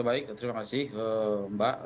baik terima kasih mbak